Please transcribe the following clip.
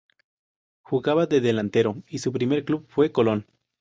Jugaba de delantero y su primer club fue Colón.